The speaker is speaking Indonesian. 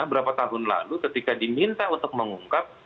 berapa tahun lalu ketika diminta untuk mengungkap